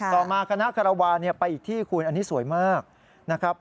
ต่อมาคณะคารวาลไปอีกที่คุณอันนี้สวยมากนะครับ